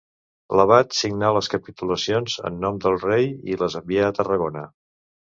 L'abat signà les capitulacions en nom del rei i les envià a Tarragona.